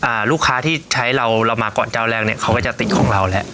ลูกค้าที่ใช้เราเรามาก่อนเจ้าแรกเนี้ยเขาก็จะติดของเราแล้ว